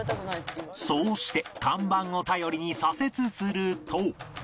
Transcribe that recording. そうして看板を頼りに左折すると